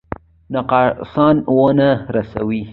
نقصان ونه رسوي.